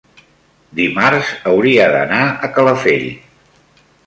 dimarts hauria d'anar a Calafell.